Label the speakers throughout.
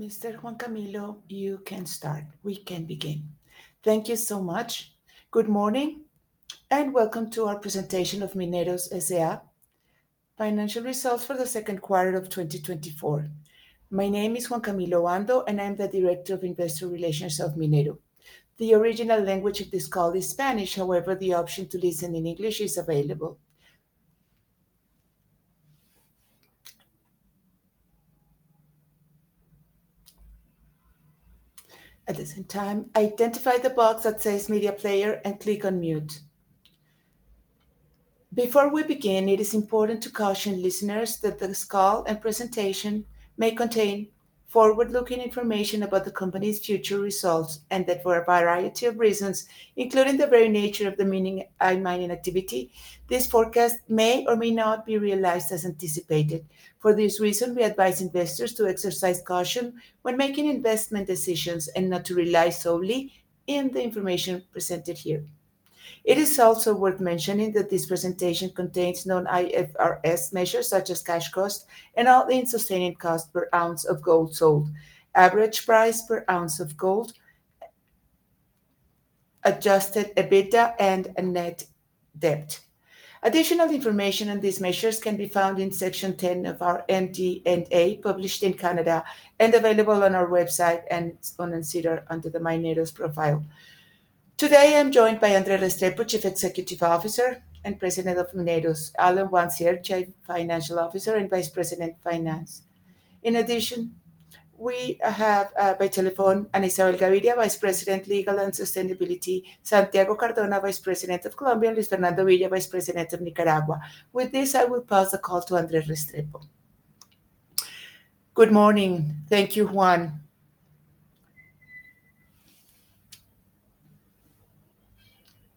Speaker 1: Mr. Juan Camilo, you can start. We can begin.
Speaker 2: Thank you so much. Good morning, and welcome to our presentation of Mineros S.A.'s financial results for the second quarter of 2024. My name is Juan Camilo Obando, and I'm the Director of Investor Relations of Mineros. The original language of this call is Spanish; however, the option to listen in English is available. At the same time, identify the box that says Media Player and click on Mute. Before we begin, it is important to caution listeners that this call and presentation may contain forward-looking information about the company's future results, and that for a variety of reasons, including the very nature of the mining and mining activity, this forecast may or may not be realized as anticipated. For this reason, we advise investors to exercise caution when making investment decisions and not to rely solely in the information presented here. It is also worth mentioning that this presentation contains non-IFRS measures, such as cash cost and all-in sustaining cost per ounce of gold sold, average price per ounce of gold, adjusted EBITDA and net debt. Additional information on these measures can be found in Section 10 of our MD&A, published in Canada and available on our website and on SEDAR+ under the Mineros profile. Today, I'm joined by Andrés Restrepo, Chief Executive Officer and President of Mineros; Alan Wancier, Chief Financial Officer and Vice President, Finance. In addition, we have, by telephone, Ana Isabel Gaviria, Vice President, Legal and Sustainability; Santiago Cardona, Vice President of Colombia; Luis Fernando Villa, Vice President of Nicaragua. With this, I will pass the call to Andrés Restrepo. Good morning.
Speaker 3: Thank you, Juan.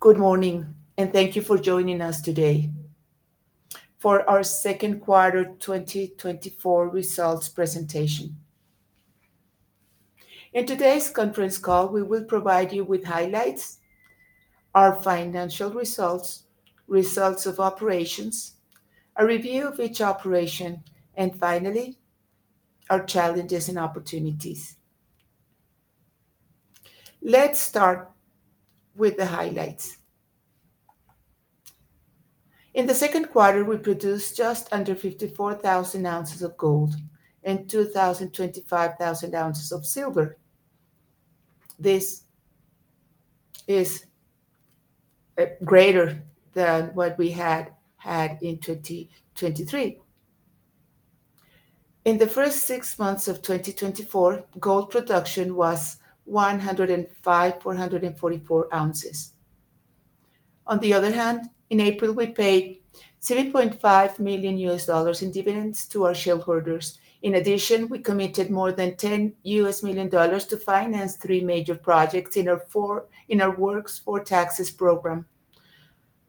Speaker 3: Good morning, and thank you for joining us today for our second quarter 2024 results presentation. In today's conference call, we will provide you with highlights, our financial results, results of operations, a review of each operation, and finally, our challenges and opportunities. Let's start with the highlights. In the second quarter, we produced just under 54,000 ounces of gold and 2,025 thousand ounces of silver. This is greater than what we had had in 2023. In the first six months of 2024, gold production was 105,444 ounces. On the other hand, in April, we paid $7.5 million in dividends to our shareholders. In addition, we committed more than $10 million to finance three major projects in our Works for Taxes program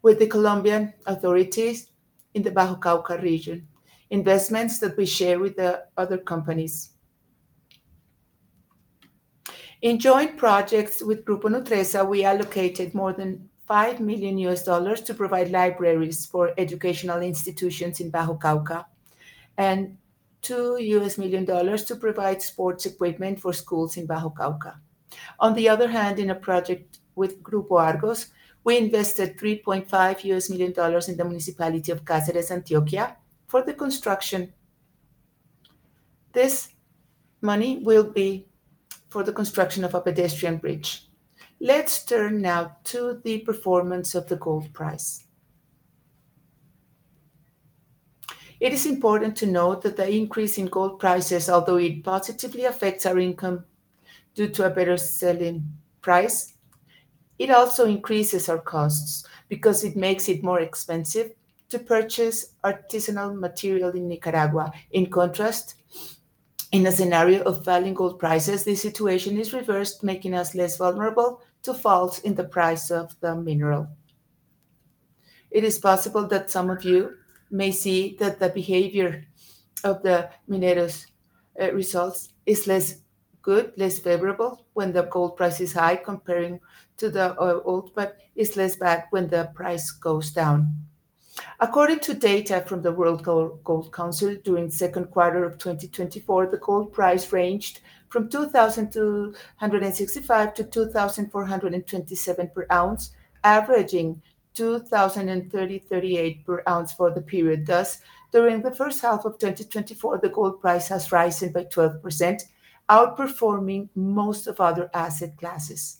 Speaker 3: with the Colombian authorities in the Bajo Cauca region, investments that we share with the other companies. In joint projects with Grupo Nutresa, we allocated more than $5 million to provide libraries for educational institutions in Bajo Cauca, and $2 million to provide sports equipment for schools in Bajo Cauca. On the other hand, in a project with Grupo Argos, we invested $3.5 million in the municipality of Cáceres, Antioquia, for the construction... This money will be for the construction of a pedestrian bridge. Let's turn now to the performance of the gold price. It is important to note that the increase in gold prices, although it positively affects our income due to a better selling price, it also increases our costs because it makes it more expensive to purchase artisanal material in Nicaragua. In contrast, in a scenario of falling gold prices, the situation is reversed, making us less vulnerable to falls in the price of the mineral. It is possible that some of you may see that the behavior of the Mineros results is less good, less favorable, when the gold price is high, comparing to the old, but is less bad when the price goes down. According to data from the World Gold Council, during the second quarter of 2024, the gold price ranged from $2,065-$2,427 per ounce, averaging $2,038 per ounce for the period. Thus, during the first half of 2024, the gold price has risen by 12%, outperforming most of other asset classes.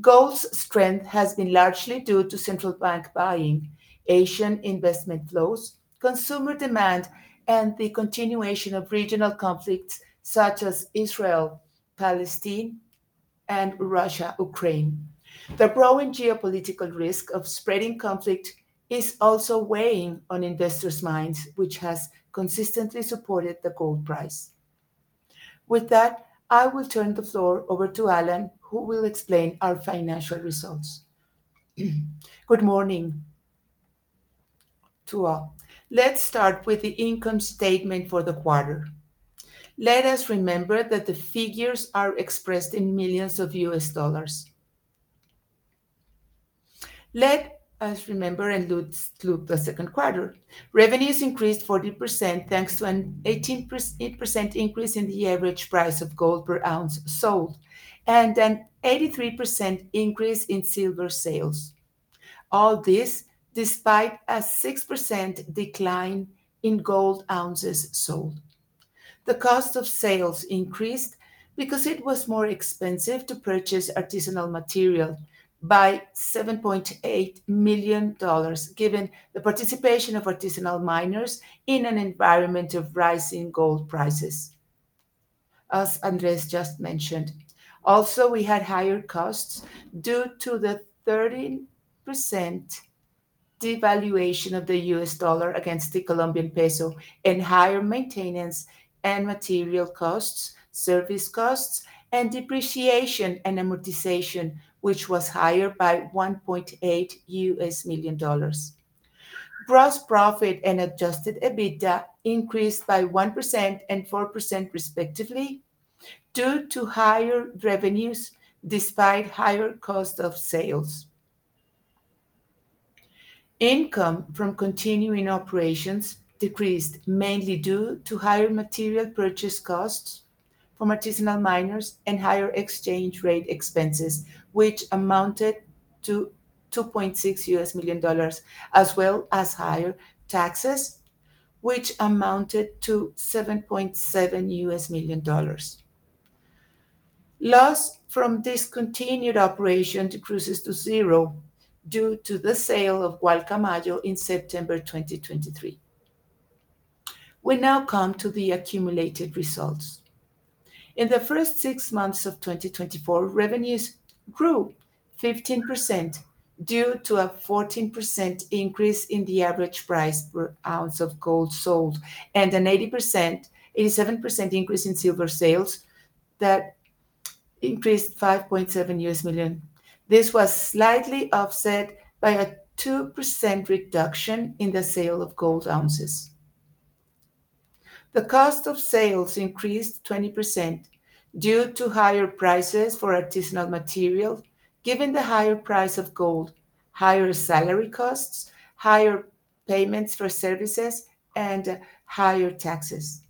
Speaker 3: Gold's strength has been largely due to central bank buying, Asian investment flows, consumer demand, and the continuation of regional conflicts such as Israel, Palestine, and Russia, Ukraine. The growing geopolitical risk of spreading conflict is also weighing on investors' minds, which has consistently supported the gold price. With that, I will turn the floor over to Alan, who will explain our financial results. Good morning to all. Let's start with the income statement for the quarter. Let us remember that the figures are expressed in millions of U.S. dollars. Let us remember and let's look at the second quarter. Revenues increased 40%, thanks to an 18% increase in the average price of gold per ounce sold, and an 83% increase in silver sales. All this despite a 6% decline in gold ounces sold. The cost of sales increased because it was more expensive to purchase artisanal material by $7.8 million, given the participation of artisanal miners in an environment of rising gold prices, as Andrés just mentioned. Also, we had higher costs due to the 13% devaluation of the U.S. dollar against the Colombian peso, and higher maintenance and material costs, service costs, and depreciation and amortization, which was higher by $1.8 million. Gross profit and Adjusted EBITDA increased by 1% and 4% respectively, due to higher revenues despite higher cost of sales. Income from continuing operations decreased, mainly due to higher material purchase costs from artisanal miners and higher exchange rate expenses, which amounted to $2.6 million, as well as higher taxes, which amounted to $7.7 million. Loss from discontinued operation decreases to zero due to the sale of Gualcamayo in September 2023. We now come to the accumulated results. In the first six months of 2024, revenues grew 15%, due to a 14% increase in the average price per ounce of gold sold, and an 87% increase in silver sales that increased $5.7 million. This was slightly offset by a 2% reduction in the sale of gold ounces. The cost of sales increased 20% due to higher prices for artisanal material, given the higher price of gold, higher salary costs, higher payments for services, and higher taxes.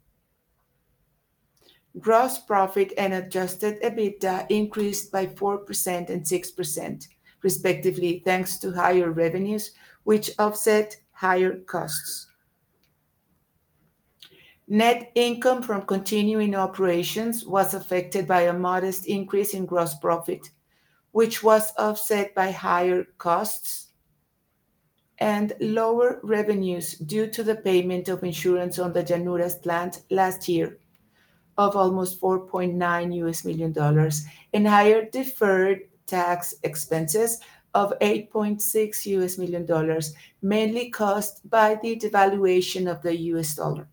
Speaker 3: Gross profit and Adjusted EBITDA increased by 4% and 6% respectively, thanks to higher revenues, which offset higher costs. Net income from continuing operations was affected by a modest increase in gross profit, which was offset by higher costs and lower revenues due to the payment of insurance on the Llanuras plant last year of almost $4.9 million, and higher deferred tax expenses of $8.6 million, mainly caused by the devaluation of the US dollar.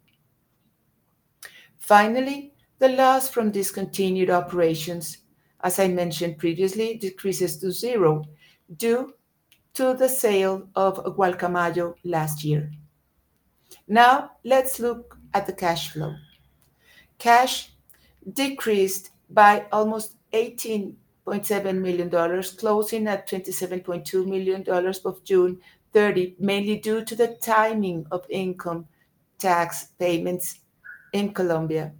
Speaker 3: Finally, the loss from discontinued operations, as I mentioned previously, decreases to zero due to the sale of Gualcamayo last year. Now, let's look at the cash flow. Cash decreased by almost $18.7 million, closing at $27.2 million as of June 30, mainly due to the timing of income tax payments in Colombia,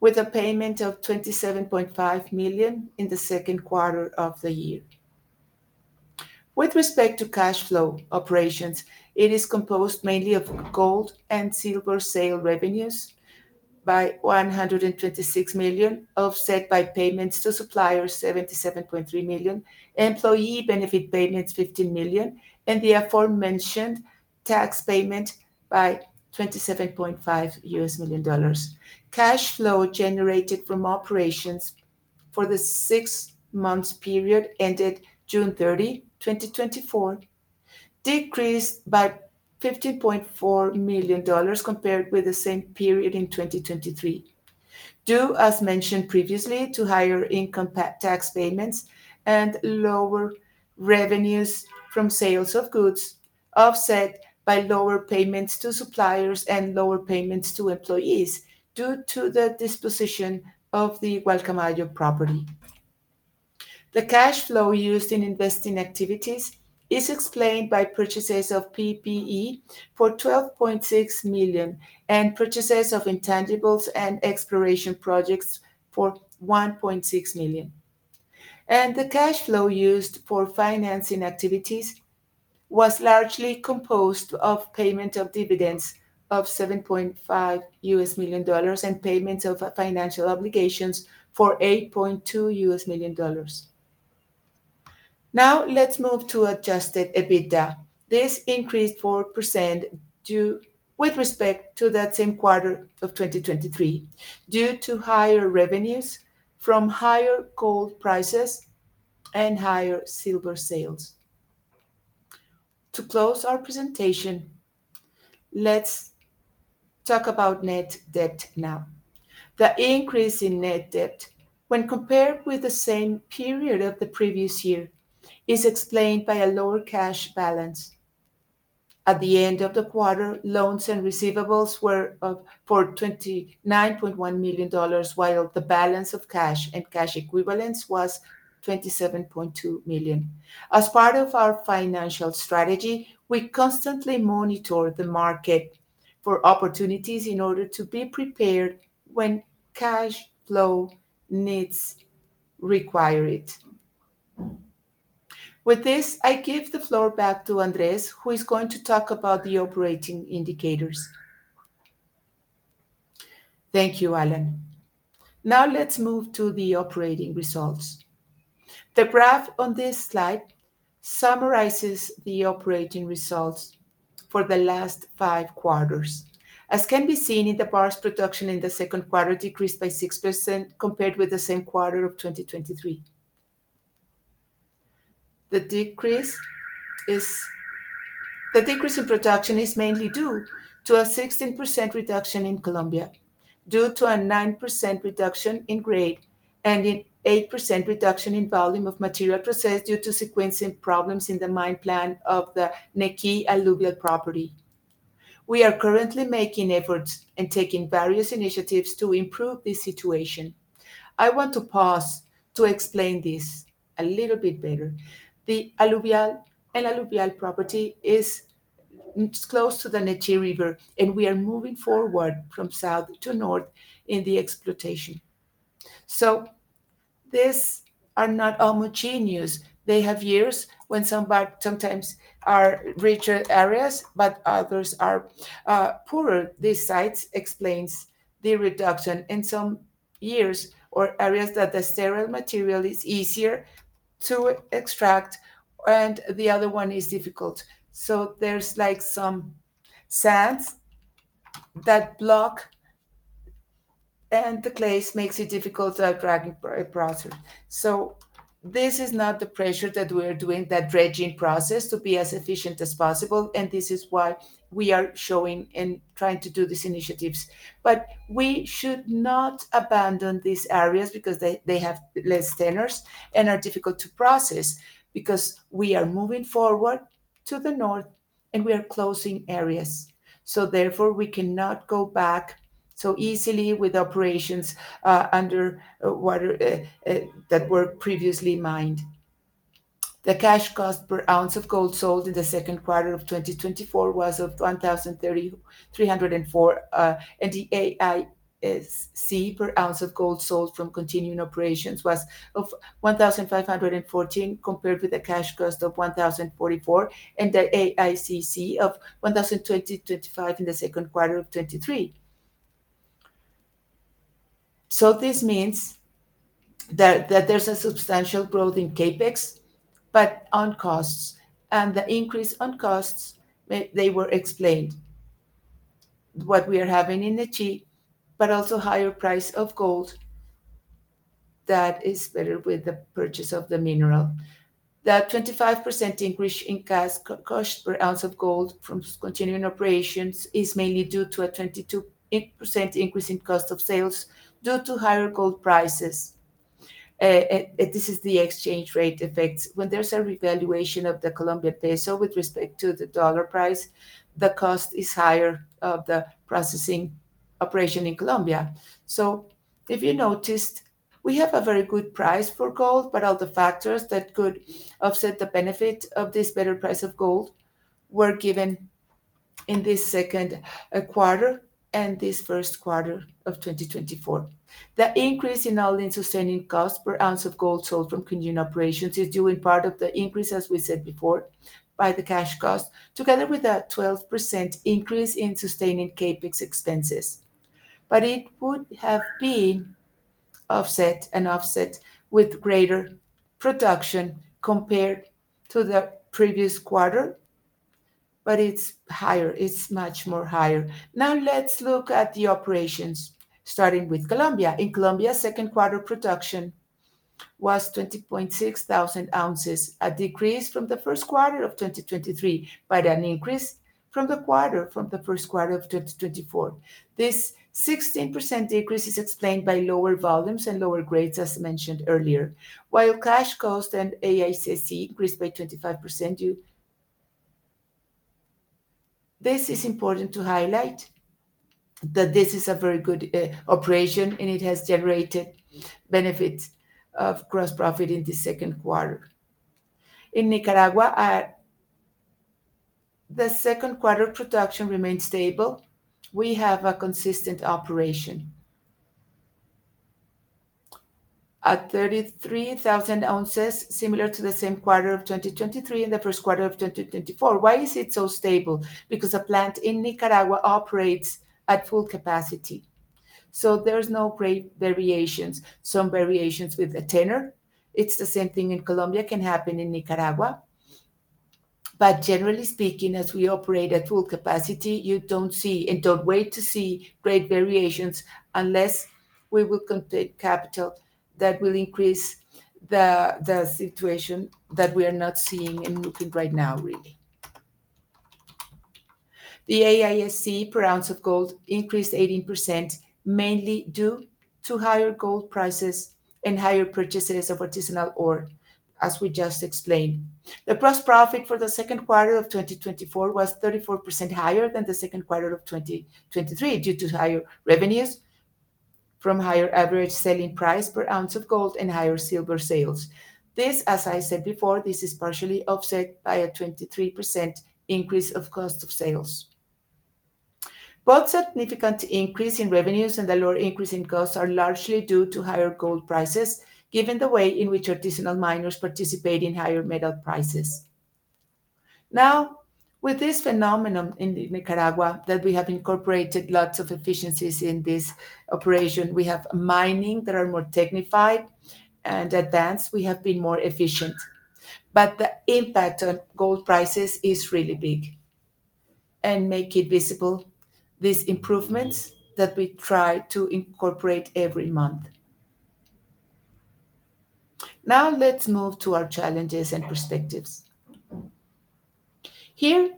Speaker 3: with a payment of $27.5 million in the second quarter of the year. With respect to cash flow operations, it is composed mainly of gold and silver sale revenues of $126 million, offset by payments to suppliers, $77.3 million, employee benefit payments, $15 million, and the aforementioned tax payment of $27.5 million. Cash flow generated from operations for the six months period ended June 30, 2024, decreased by $15.4 million compared with the same period in 2023, due, as mentioned previously, to higher income tax payments and lower revenues from sales of goods, offset by lower payments to suppliers and lower payments to employees due to the disposition of the Gualcamayo property. The cash flow used in investing activities is explained by purchases of PPE for $12.6 million, and purchases of intangibles and exploration projects for $1.6 million. The cash flow used for financing activities was largely composed of payment of dividends of $7.5 million, and payments of financial obligations for $8.2 million. Now, let's move to adjusted EBITDA. This increased 4% with respect to that same quarter of 2023, due to higher revenues from higher gold prices and higher silver sales. To close our presentation, let's talk about net debt now. The increase in net debt when compared with the same period of the previous year is explained by a lower cash balance. At the end of the quarter, loans and receivables were up to $29.1 million, while the balance of cash and cash equivalents was $27.2 million. As part of our financial strategy, we constantly monitor the market for opportunities in order to be prepared when cash flow needs require it. With this, I give the floor back to Andrés, who is going to talk about the operating indicators. Thank you, Alan. Now let's move to the operating results. The graph on this slide summarizes the operating results for the last 5 quarters. As can be seen in the bars, production in the second quarter decreased by 6% compared with the same quarter of 2023. The decrease in production is mainly due to a 16% reduction in Colombia, due to a 9% reduction in grade and an 8% reduction in volume of material processed due to sequencing problems in the mine plan of the Nechí Alluvial Property. We are currently making efforts and taking various initiatives to improve this situation. I want to pause to explain this a little bit better. The alluvial property is, it's close to the Nechí River, and we are moving forward from south to north in the exploitation. So these are not homogeneous. They have years when some sometimes are richer areas, but others are poorer. These sites explains the reduction in some years or areas that the sterile material is easier to extract, and the other one is difficult. So there's, like, some sands that block, and the place makes it difficult to drag a processor. So this is not the pressure that we're doing, that dredging process, to be as efficient as possible, and this is why we are showing and trying to do these initiatives. But we should not abandon these areas because they have less tenors and are difficult to process, because we are moving forward to the north, and we are closing areas. So therefore, we cannot go back so easily with operations under water that were previously mined. The cash cost per ounce of gold sold in the second quarter of 2024 was $1,304, and the AISC per ounce of gold sold from continuing operations was $1,514, compared with a cash cost of $1,044 and the AISC of $1,225 in the second quarter of 2023. So this means that there's a substantial growth in CapEx, but on costs. And the increase on costs, they were explained. What we are having in the Nechí, but also higher price of gold that is better with the purchase of the mineral. The 25% increase in cash cost per ounce of gold from continuing operations is mainly due to a 22% increase in cost of sales due to higher gold prices. This is the exchange rate effects. When there's a revaluation of the Colombian peso with respect to the dollar price, the cost is higher of the processing operation in Colombia. So if you noticed, we have a very good price for gold, but all the factors that could offset the benefit of this better price of gold were given in this second quarter and this first quarter of 2024. The increase in all-in sustaining costs per ounce of gold sold from continuing operations is due, in part, of the increase, as we said before, by the cash cost, together with a 12% increase in sustaining CapEx expenses. But it would have been offset, an offset with greater production compared to the previous quarter, but it's higher. It's much more higher. Now let's look at the operations, starting with Colombia. In Colombia, second quarter production was 20,600 ounces, a decrease from the first quarter of 2023, but an increase from the quarter, from the first quarter of 2024. This 16% decrease is explained by lower volumes and lower grades, as mentioned earlier. While cash cost and AISC increased by 25% due... This is important to highlight, that this is a very good operation, and it has generated benefits of gross profit in the second quarter. In Nicaragua, the second quarter production remained stable. We have a consistent operation at 33,000 ounces, similar to the same quarter of 2023 and the first quarter of 2024. Why is it so stable? Because the plant in Nicaragua operates at full capacity, so there's no great variations. Some variations with the tenor. It's the same thing in Colombia, can happen in Nicaragua. Generally speaking, as we operate at full capacity, you don't see and don't wait to see great variations unless we will take capital that will increase the situation that we are not seeing and looking right now, really. The AISC per ounce of gold increased 18%, mainly due to higher gold prices and higher purchases of artisanal ore, as we just explained. The gross profit for the second quarter of 2024 was 34% higher than the second quarter of 2023, due to higher revenues from higher average selling price per ounce of gold and higher silver sales. This, as I said before, this is partially offset by a 23% increase of cost of sales. Both significant increase in revenues and the lower increase in costs are largely due to higher gold prices, given the way in which artisanal miners participate in higher metal prices. Now, with this phenomenon in Nicaragua, that we have incorporated lots of efficiencies in this operation, we have mining that are more technified and advanced. We have been more efficient, but the impact on gold prices is really big and make it visible, these improvements that we try to incorporate every month. Now, let's move to our challenges and perspectives. Here,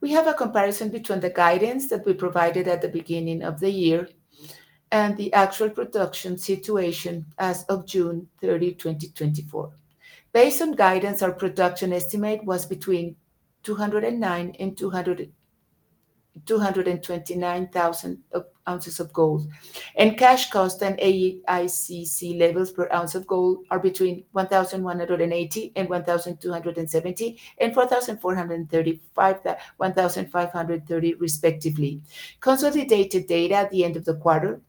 Speaker 3: we have a comparison between the guidance that we provided at the beginning of the year and the actual production situation as of June 30, 2024. Based on guidance, our production estimate was between 209 and 229 thousand of ounces of gold. Cash cost and AISC levels per ounce of gold are between $1,180 and $1,270, and $1,435 and $1,530, respectively. Consolidated data at the end of the quarter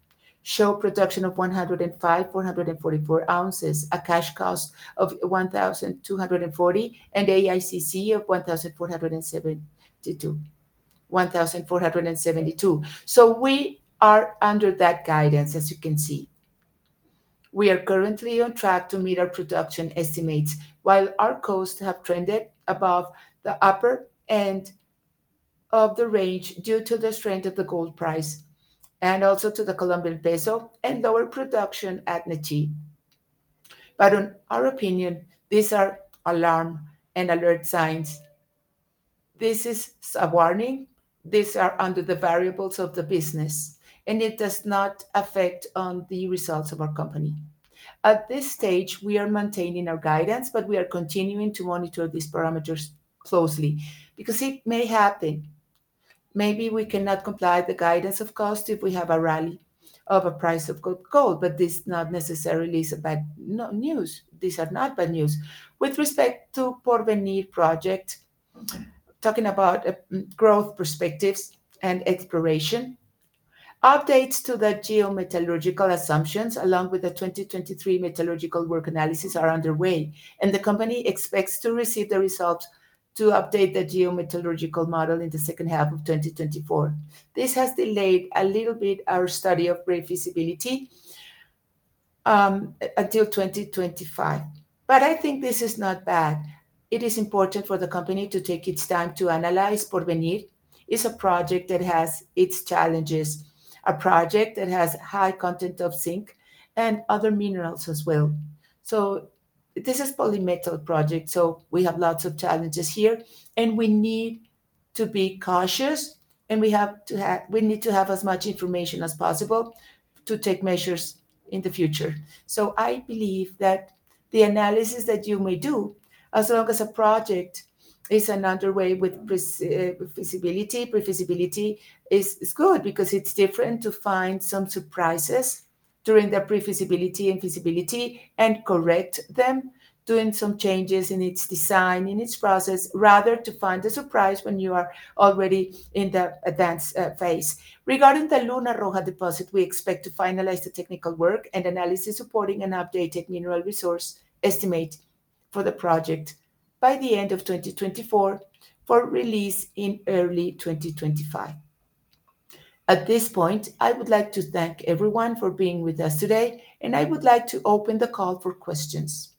Speaker 3: show production of 105,444 ounces, a cash cost of $1,240, and AISC of $1,472, $1,472. So we are under that guidance, as you can see. We are currently on track to meet our production estimates, while our costs have trended above the upper end of the range, due to the strength of the gold price and also to the Colombian peso and lower production at Nechí. But in our opinion, these are alarm and alert signs. This is a warning. These are under the variables of the business, and it does not affect on the results of our company. At this stage, we are maintaining our guidance, but we are continuing to monitor these parameters closely because it may happen. Maybe we cannot comply the guidance of cost if we have a rally of a price of gold, gold, but this is not necessarily is a bad news. These are not bad news. With respect to Porvenir project, talking about growth perspectives and exploration, updates to the geometallurgical assumptions, along with the 2023 metallurgical work analysis, are underway, and the company expects to receive the results to update the geometallurgical model in the second half of 2024. This has delayed a little bit our study of pre-feasibility until 2025, but I think this is not bad. It is important for the company to take its time to analyze Porvenir. It's a project that has its challenges, a project that has high content of zinc and other minerals as well. So this is polymetal project, so we have lots of challenges here, and we need to be cautious, and we have to have, we need to have as much information as possible to take measures in the future. So I believe that the analysis that you may do, as long as the project is underway with its feasibility pre-feasibility is good because it's different to find some surprises during the pre-feasibility and feasibility and correct them, doing some changes in its design, in its process, rather to find a surprise when you are already in the advanced phase. Regarding the Luna Roja deposit, we expect to finalize the technical work and analysis supporting an updated mineral resource estimate for the project by the end of 2024, for release in early 2025. At this point, I would like to thank everyone for being with us today, and I would like to open the call for questions.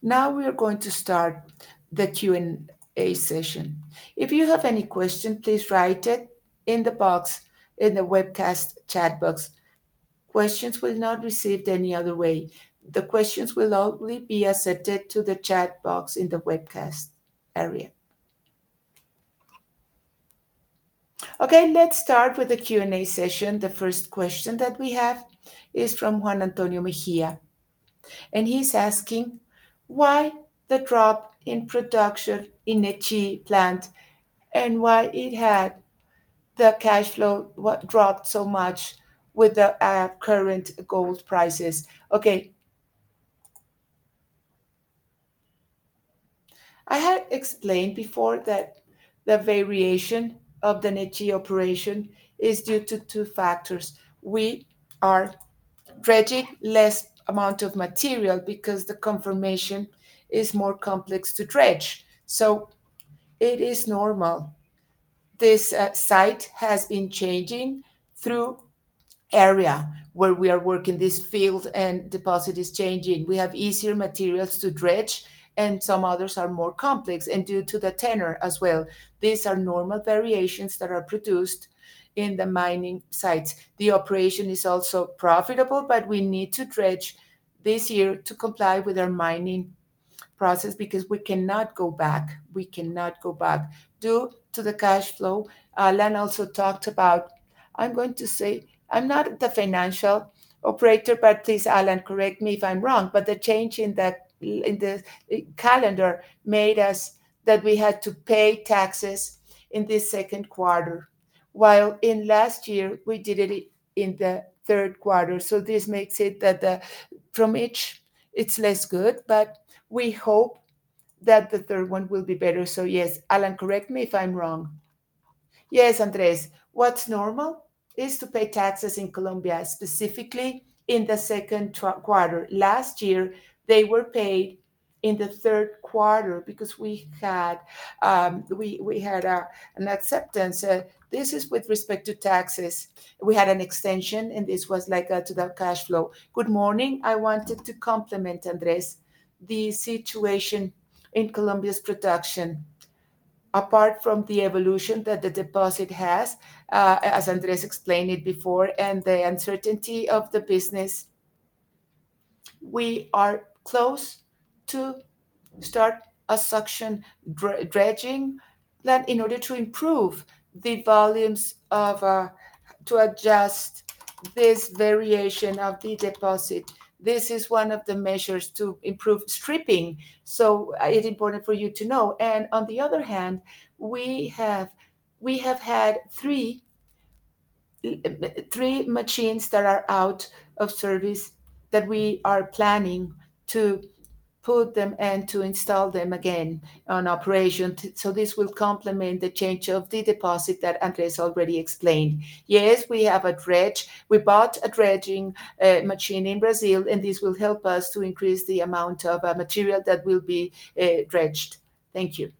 Speaker 3: Now, we are going to start the Q&A session. If you have any question, please write it in the box, in the webcast chat box. Questions will not be received any other way. The questions will only be accepted to the chat box in the webcast area. Okay, let's start with the Q&A session.
Speaker 1: The first question that we have is from Juan Antonio Mejía, and he's asking: Why the drop in production in Nechí plant, and why it had the cash flow dropped so much with the current gold prices?
Speaker 3: Okay. I had explained before that the variation of the Nechí operation is due to two factors. We are dredging less amount of material because the confirmation is more complex to dredge, so it is normal. This site has been changing through area where we are working. This field and deposit is changing. We have easier materials to dredge, and some others are more complex and due to the tenor as well. These are normal variations that are produced in the mining sites. The operation is also profitable, but we need to dredge this year to comply with our mining process, because we cannot go back. We cannot go back due to the cash flow. Alan also talked about, I'm going to say... I'm not the financial operator, but please, Alan, correct me if I'm wrong, but the change in that, in the calendar made us that we had to pay taxes in the second quarter, while in last year we did it in the third quarter. So this makes it that from each, it's less good, but we hope that the third one will be better. So yes, Alan, correct me if I'm wrong. Yes, Andrés, what's normal is to pay taxes in Colombia, specifically in the second quarter. Last year they were paid in the third quarter because we had, we had an acceptance this is with respect to taxes. We had an extension, and this was like to the cash flow.
Speaker 2: Good morning. I wanted to compliment Andrés. The situation in Colombia's production, apart from the evolution that the deposit has, as Andrés explained it before, and the uncertainty of the business, we are close to start a suction dredging, that in order to improve the volumes of to adjust this variation of the deposit. This is one of the measures to improve stripping, so it's important for you to know. And on the other hand, we have had three machines that are out of service, that we are planning to put them and to install them again on operation. So this will complement the change of the deposit that Andrés already explained. Yes, we have a dredge. We bought a dredging machine in Brazil, and this will help us to increase the amount of material that will be dredged. Thank you.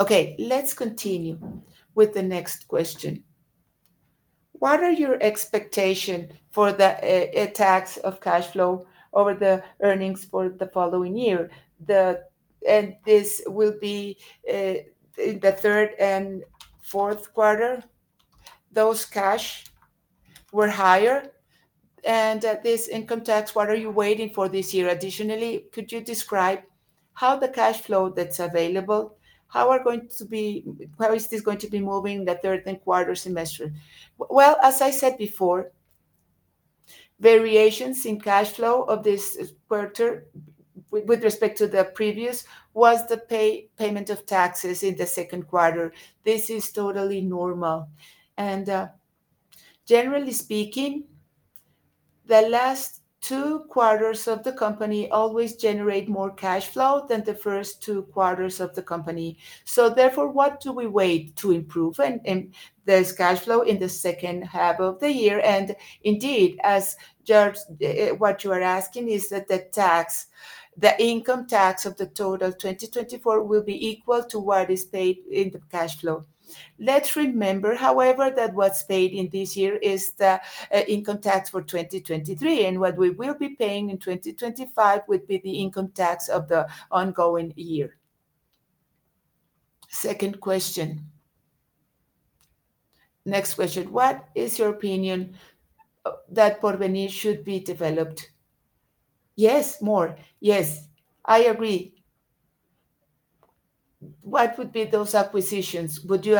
Speaker 1: Okay, let's continue with the next question: What are your expectation for the tax of cashflow over the earnings for the following year? And this will be in the third and fourth quarter. Those cash were higher, and this income tax, what are you waiting for this year? Additionally, could you describe how the cash flow that's available, how are going to be where is this going to be moving the third and fourth quarter?
Speaker 3: Well, as I said before, variations in cash flow of this quarter with respect to the previous was the payment of taxes in the second quarter. This is totally normal. Generally speaking, the last two quarters of the company always generate more cash flow than the first two quarters of the company. Therefore, what do we wait to improve? And, and there's cash flow in the second half of the year, and indeed, as George, what you are asking is that the tax, the income tax of the total 2024 will be equal to what is paid in the cash flow. Let's remember, however, that what's paid in this year is the, income tax for 2023, and what we will be paying in 2025 will be the income tax of the ongoing year.
Speaker 1: Second question. Next question: What is your opinion, that Porvenir should be developed?
Speaker 3: Yes, more. Yes, I agree.
Speaker 1: What would be those acquisitions? Would you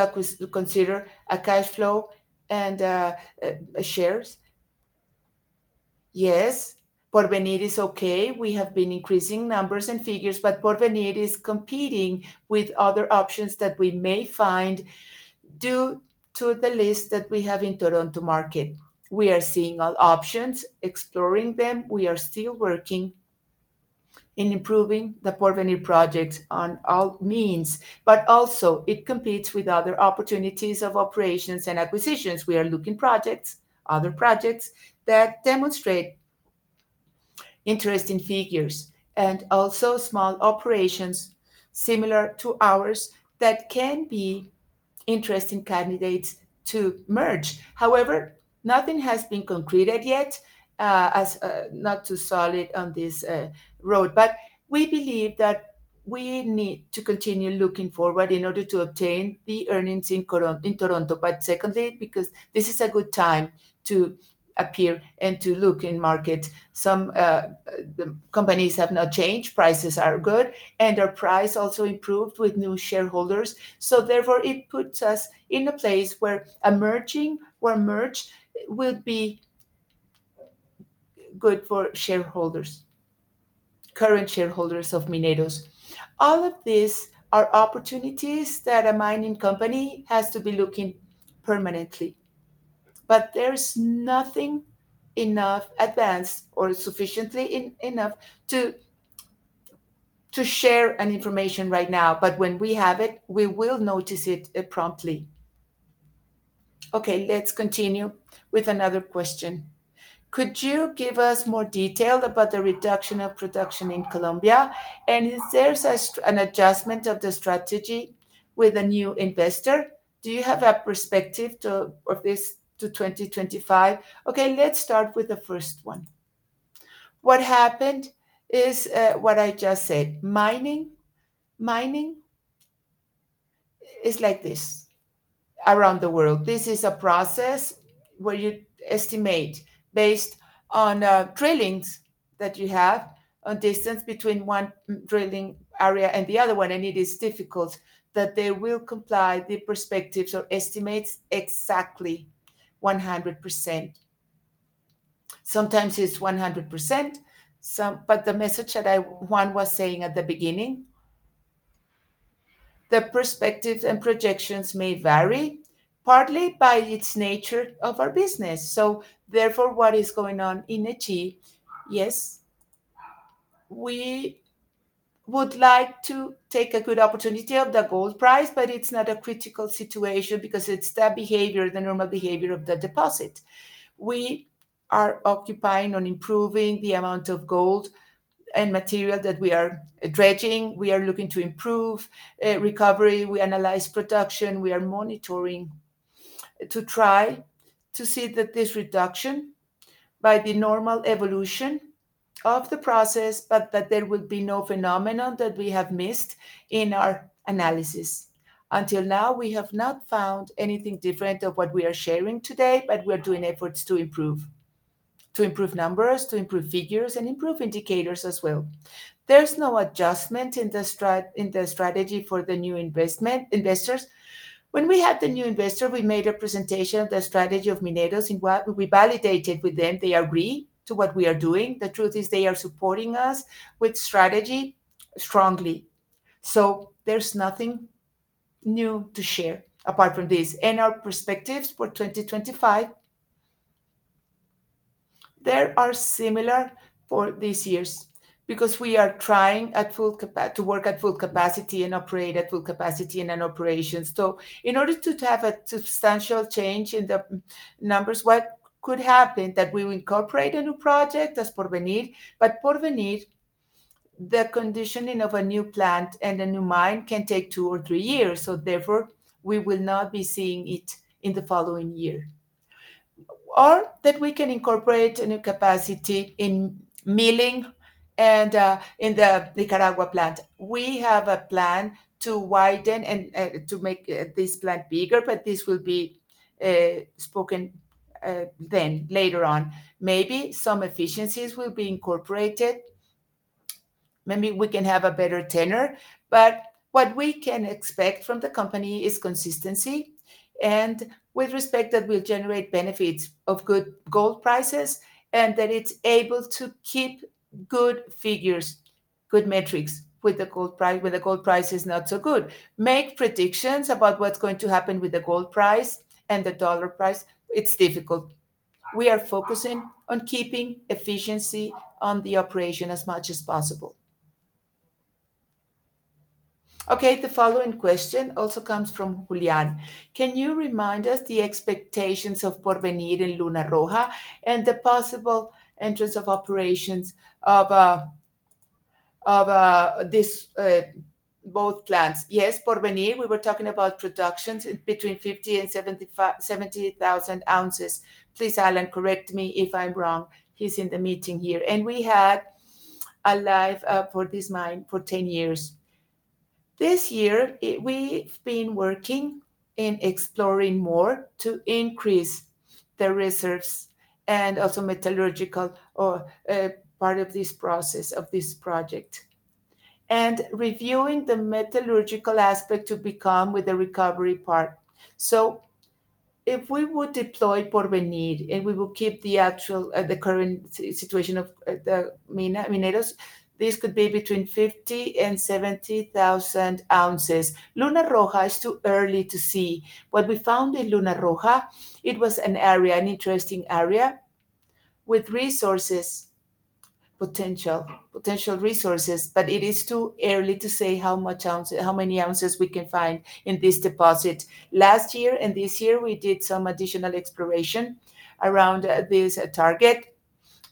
Speaker 1: consider a cash flow and, shares?
Speaker 3: Yes, Porvenir is okay. We have been increasing numbers and figures, but Porvenir is competing with other options that we may find due to the list that we have in Toronto market. We are seeing all options, exploring them. We are still working in improving the Porvenir projects on all means, but also it competes with other opportunities of operations and acquisitions. We are looking projects, other projects, that demonstrate interesting figures, and also small operations similar to ours that can be interesting candidates to merge. However, nothing has been concluded yet, as not too solid on this road. But we believe that we need to continue looking forward in order to obtain the earnings in Toronto. But secondly, because this is a good time to appear and to look in market. Some companies have not changed, prices are good, and our price also improved with new shareholders. So therefore, it puts us in a place where a merging or a merge will be good for shareholders, current shareholders of Mineros. All of these are opportunities that a mining company has to be looking permanently, but there's nothing enough advanced or sufficiently enough to share any information right now. But when we have it, we will notice it promptly. Okay, let's continue with another question. Could you give us more detail about the reduction of production in Colombia? And is there an adjustment of the strategy with a new investor? Do you have a perspective to, of this to 2025? Okay, let's start with the first one. What happened is what I just said. Mining... it's like this around the world. This is a process where you estimate based on drillings that you have, on distance between one drilling area and the other one, and it is difficult that they will comply the perspectives or estimates exactly 100%. Sometimes it's 100%, but the message that I, Juan was saying at the beginning, the perspectives and projections may vary, partly by its nature of our business. So therefore, what is going on in Nechí? Yes, we would like to take a good opportunity of the gold price, but it's not a critical situation because it's the behavior, the normal behavior of the deposit. We are occupying on improving the amount of gold and material that we are dredging. We are looking to improve recovery. We analyze production, we are monitoring to try to see that this reduction by the normal evolution of the process, but that there will be no phenomenon that we have missed in our analysis. Until now, we have not found anything different of what we are sharing today, but we are doing efforts to improve, to improve numbers, to improve figures, and improve indicators as well. There's no adjustment in the strategy for the new investment, investors. When we had the new investor, we made a presentation of the strategy of Mineros, and We validated with them. They agree to what we are doing. The truth is they are supporting us with strategy strongly. So there's nothing new to share apart from this. Our perspectives for 2025, they are similar for these years because we are trying to work at full capacity and operate at full capacity in an operation. So in order to have a substantial change in the numbers, what could happen, that we will incorporate a new project, that's Porvenir. But Porvenir, the conditioning of a new plant and a new mine can take two or three years, so therefore, we will not be seeing it in the following year. Or that we can incorporate a new capacity in milling and in the Nicaragua plant. We have a plan to widen and to make this plant bigger, but this will be spoken then later on. Maybe some efficiencies will be incorporated. Maybe we can have a better tenor. But what we can expect from the company is consistency, and with respect, that will generate benefits of good gold prices, and that it's able to keep good figures, good metrics with the gold price, where the gold price is not so good. Make predictions about what's going to happen with the gold price and the dollar price; it's difficult. We are focusing on keeping efficiency on the operation as much as possible.
Speaker 1: Okay, the following question also comes from Julian. "Can you remind us the expectations of Porvenir and Luna Roja and the possible entrance of operations of both plants?"
Speaker 3: Yes, Porvenir, we were talking about productions between 50,000 and 70,000 ounces. Please, Alan, correct me if I'm wrong. He's in the meeting here. And we had a life for this mine for 10 years. This year, we've been working in exploring more to increase the reserves and also metallurgical or part of this process, of this project, and reviewing the metallurgical aspect to become with the recovery part. So if we would deploy Porvenir, and we will keep the actual, the current situation of the mine, Mineros, this could be between 50,000 and 70,000 ounces. Luna Roja is too early to see. What we found in Luna Roja, it was an area, an interesting area, with resources, potential, potential resources, but it is too early to say how much ounces, how many ounces we can find in this deposit. Last year and this year, we did some additional exploration around this target,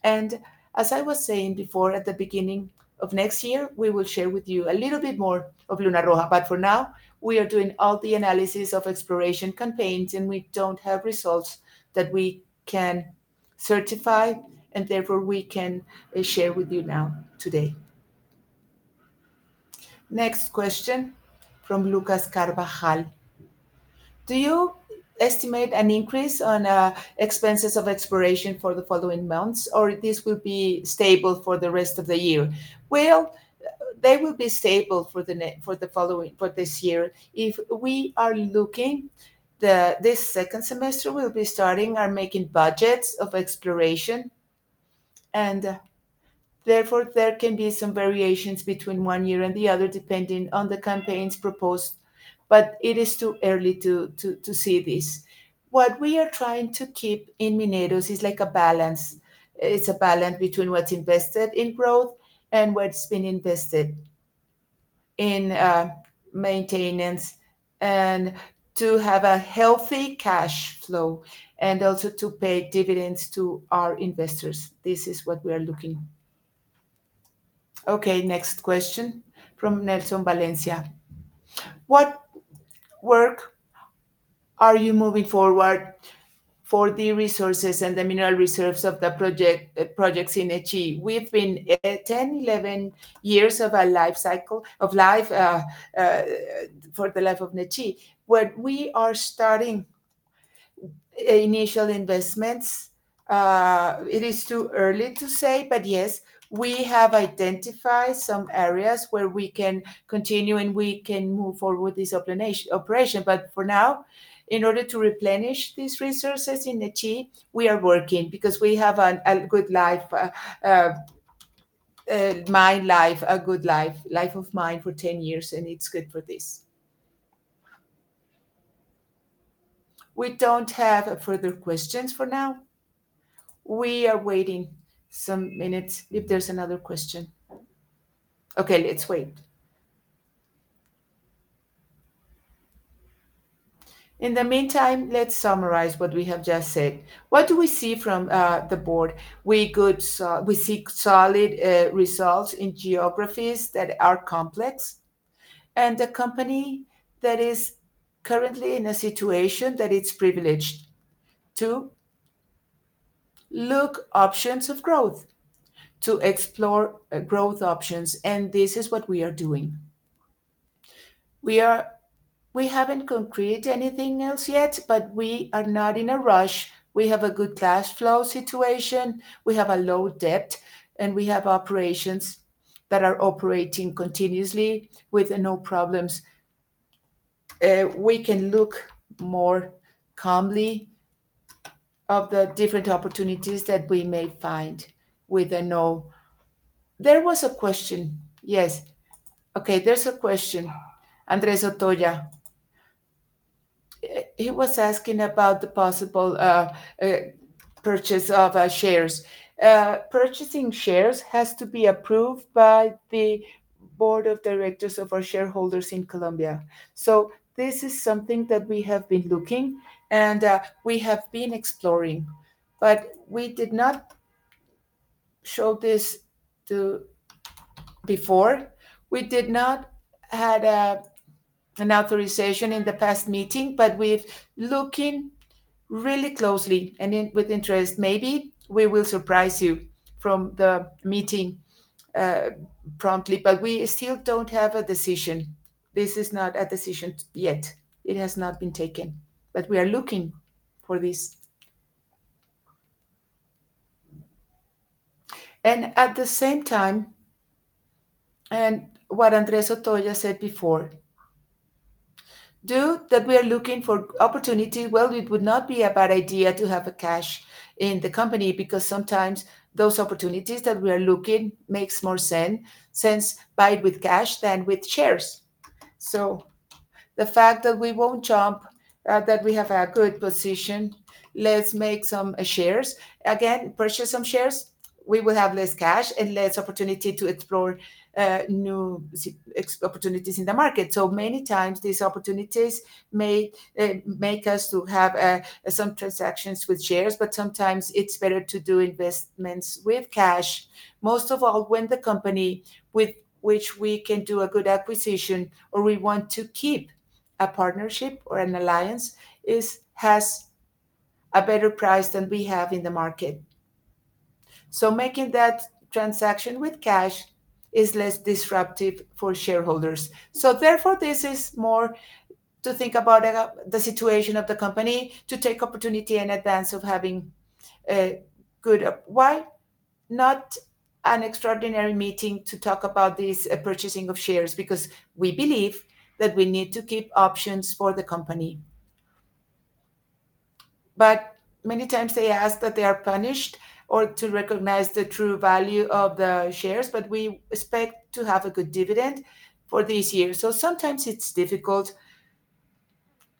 Speaker 3: and as I was saying before, at the beginning of next year, we will share with you a little bit more of Luna Roja, but for now, we are doing all the analysis of exploration campaigns, and we don't have results that we can certify, and therefore, we can share with you now, today.
Speaker 1: Next question from Lucas Carvajal: "Do you estimate an increase on expenses of exploration for the following months, or this will be stable for the rest of the year?"
Speaker 2: They will be stable for the following, for this year. If we are looking, this second semester, we'll be starting or making budgets of exploration, and therefore, there can be some variations between one year and the other, depending on the campaigns proposed, but it is too early to see this. What we are trying to keep in Mineros is like a balance. It's a balance between what's invested in growth and what's been invested in maintenance, and to have a healthy cash flow, and also to pay dividends to our investors. This is what we are looking.
Speaker 1: Okay, next question from Nelson Valencia: "What work-... Are you moving forward for the resources and the mineral reserves of the project, projects in Nechí? We've been 10, 11 years of a life cycle, of life, for the life of Nechí, where we are starting initial investments.
Speaker 2: It is too early to say, but yes, we have identified some areas where we can continue, and we can move forward this operation, operation. But for now, in order to replenish these resources in Nechí, we are working because we have a good life, mine life, a good life, life of mine for 10 years, and it's good for this. We don't have further questions for now. We are waiting some minutes if there's another question.
Speaker 1: Okay, let's wait. In the meantime, let's summarize what we have just said. What do we see from the board?
Speaker 2: We see solid results in geographies that are complex, and a company that is currently in a situation that it's privileged to look options of growth, to explore growth options, and this is what we are doing. We haven't concrete anything else yet, but we are not in a rush. We have a good cash flow situation. We have a low debt, and we have operations that are operating continuously with no problems. We can look more calmly at the different opportunities that we may find. There was a question. Yes. Okay, there's a question.
Speaker 1: Andrés Otoya, he was asking about the possible purchase of our shares.
Speaker 2: Purchasing shares has to be approved by the board of directors of our shareholders in Colombia, so this is something that we have been looking and, we have been exploring. But we did not show this to before. We did not had, an authorization in the past meeting, but we've looking really closely and in with interest. Maybe we will surprise you from the meeting, promptly, but we still don't have a decision. This is not a decision yet. It has not been taken, but we are looking for this. And at the same time, and what Andrés Otoya said before, due that we are looking for opportunity, well, it would not be a bad idea to have a cash in the company because sometimes those opportunities that we are looking makes more sense, sense buy it with cash than with shares. So the fact that we won't jump, that we have a good position, let's make some shares. Again, purchase some shares, we will have less cash and less opportunity to explore new opportunities in the market. So many times, these opportunities may make us to have some transactions with shares, but sometimes it's better to do investments with cash. Most of all, when the company with which we can do a good acquisition, or we want to keep a partnership or an alliance, has a better price than we have in the market. So making that transaction with cash is less disruptive for shareholders. So therefore, this is more to think about the situation of the company, to take opportunity in advance of having a good... Why not an extraordinary meeting to talk about this purchasing of shares? Because we believe that we need to keep options for the company. But many times they ask that they are punished or to recognize the true value of the shares, but we expect to have a good dividend for this year. So sometimes it's difficult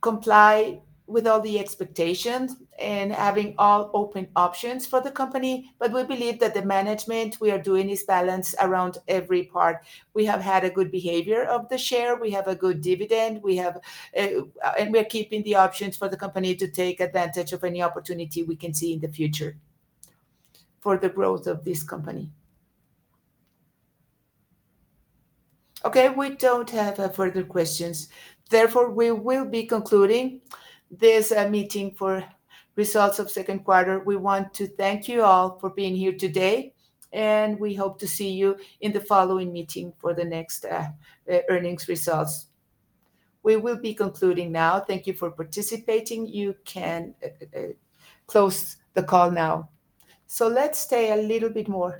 Speaker 2: comply with all the expectations and having all open options for the company, but we believe that the management we are doing is balanced around every part. We have had a good behavior of the share. We have a good dividend. We have, and we're keeping the options for the company to take advantage of any opportunity we can see in the future for the growth of this company.
Speaker 3: Okay, we don't have further questions, therefore, we will be concluding this meeting for results of second quarter.
Speaker 2: We want to thank you all for being here today, and we hope to see you in the following meeting for the next earnings results.
Speaker 1: We will be concluding now. Thank you for participating. You can close the call now. So let's stay a little bit more-